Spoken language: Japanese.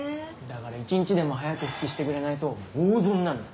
だから一日でも早く復帰してくれないと大損なんだ。